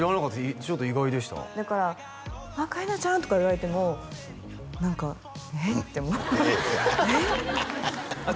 ちょっと意外でしただからあっ香里奈ちゃんとか言われても何かえっって思うえっ私？